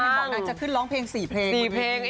เค้าบอกว่านางจะขึ้นร้องเพลง๔เพลง